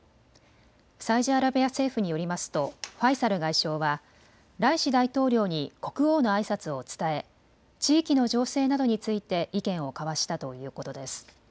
サウジアラビア政府によりますとファイサル外相はライシ大統領に国王のあいさつを伝え地域の情勢などについて意見を交わしたということです。